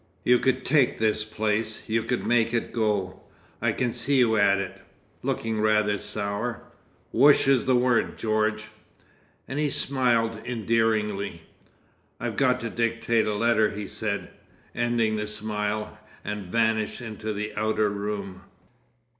You could take this place, you could make it go! I can see you at it—looking rather sour. Woosh is the word, George." And he smiled endearingly. "I got to dictate a letter," he said, ending the smile, and vanished into the outer room.